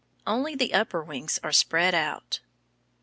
Only the upper wings are spread out.